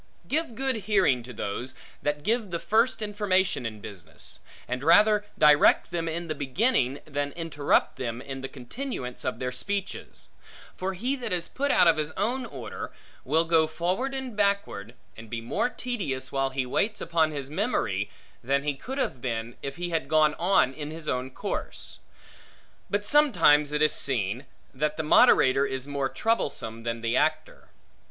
Give good hearing to those, that give the first information in business; and rather direct them in the beginning, than interrupt them in the continuance of their speeches; for he that is put out of his own order, will go forward and backward, and be more tedious, while he waits upon his memory, than he could have been, if he had gone on in his own course. But sometimes it is seen, that the moderator is more troublesome, than the actor.